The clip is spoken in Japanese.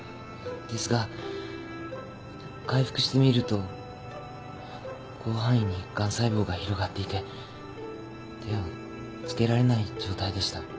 ですが開腹してみると広範囲にガン細胞が広がっていて手を付けられない状態でした。